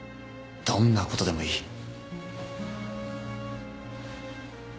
どんなことでもいい。